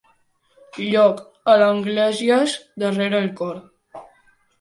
Lloc, a les esglésies, darrere el cor.